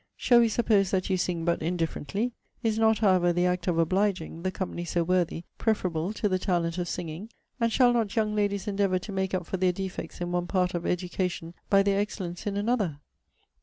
Shall we suppose, that you sing but indifferently? Is not, however, the act of obliging, (the company so worthy!) preferable to the talent of singing? And shall not young ladies endeavour to make up for their defects in one part of education, by their excellence in another?'